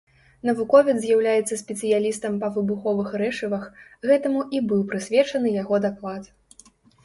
Навуковец з'яўляецца спецыялістам па выбуховых рэчывах, гэтаму і быў прысвечаны яго даклад.